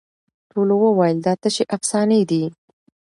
ټولو وویل دا تشي افسانې دي